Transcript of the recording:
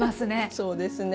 そうですね。